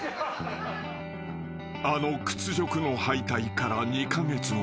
［あの屈辱の敗退から２カ月後］